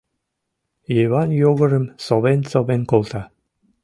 Йыван Йогорым совен-совен колта.